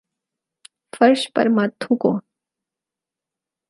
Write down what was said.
فرش پر مت تھوکو